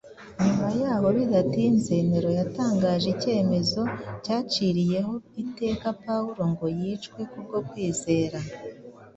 Nyuma y’aho bidatinze Nero yatangaje icyemezo cyaciriyeho iteka Pawulo ngo yicwe kubwo kwizera.